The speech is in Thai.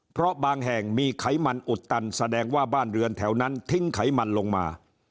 เพราะบางแห่งมีไขมันอุดตันแสดงว่าบ้านเรือนแถวนั้นทิ้งไขมันลงมา